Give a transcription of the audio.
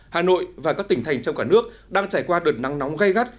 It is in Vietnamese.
hà nội và các tỉnh thành trong cả nước đang trải qua đợt nắng nóng gây gắt